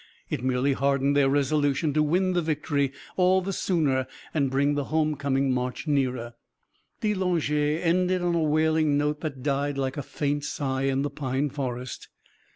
It merely hardened their resolution to win the victory all the sooner, and bring the homecoming march nearer. De Langeais ended on a wailing note that died like a faint sigh in the pine forest.